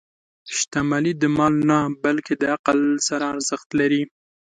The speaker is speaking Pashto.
• شتمني د مال نه، بلکې د عقل سره ارزښت لري.